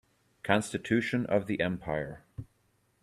Constitution of the empire.